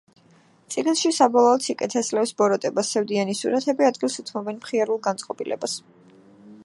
წიგნში საბოლოოდ სიკეთე სძლევს ბოროტებას, სევდიანი სურათები ადგილს უთმობენ მხიარულ განწყობილებას.